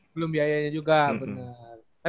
belum biayanya juga bener